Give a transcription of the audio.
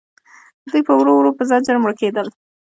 دوی به ورو ورو په زجر مړه کېدل.